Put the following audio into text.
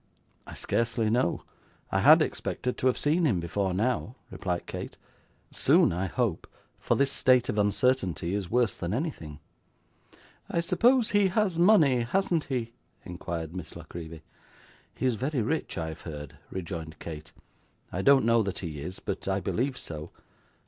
'I scarcely know; I had expected to have seen him before now,' replied Kate. 'Soon I hope, for this state of uncertainty is worse than anything.' 'I suppose he has money, hasn't he?' inquired Miss La Creevy. 'He is very rich, I have heard,' rejoined Kate. 'I don't know that he is, but I believe so.